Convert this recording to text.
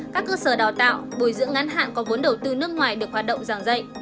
các cơ sở đào tạo bồi dưỡng ngắn hạn có vốn đầu tư nước ngoài được hoạt động giảng dạy